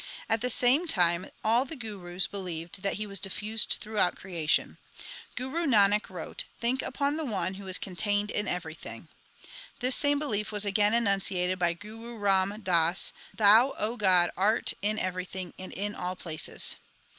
At the same time all the Gurus believed that He was diffused throughout creation. Guru Nanak wrote, 1 Think upon the One who is contained in everything. This same belief was again enunciated by Guru Ram Das, Thou, O God, art in everything and in all places.